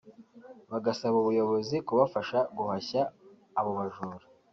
bagasaba ubuyobozi kubafasha guhashya abo bajura